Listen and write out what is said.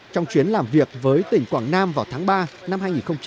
trong chuyến làm việc với tỉnh quảng nam vào tháng ba năm hai nghìn hai mươi